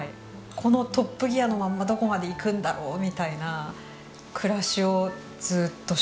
このトップギアのままどこまで行くんだろうみたいな暮らしをずっとしていました。